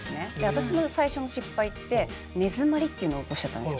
私の最初の失敗って根詰まりっていうのを起こしちゃったんですよ。